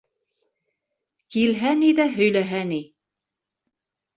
— Килһә ни ҙә һөйләһә ни.